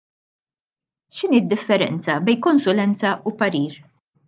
X'inhi d-differenza bejn konsulenza u parir?